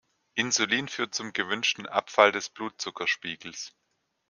Insulin führt zum gewünschten Abfall des Blutzuckerspiegels.